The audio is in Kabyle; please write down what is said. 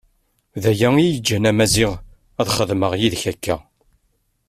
D aya iyi-iǧǧan a Maziɣ ad xedmeɣ yid-k akka.